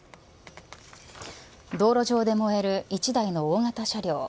道路上で燃える１台の大型車両。